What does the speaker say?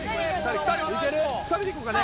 ２人で行こうかね？